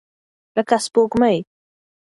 لکه سپوږمۍ.